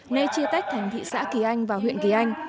nơi chia tách thành thị xã kỳ anh và huyện kỳ anh